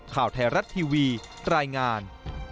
ข่าวไทยรัฐทีวีรายงาน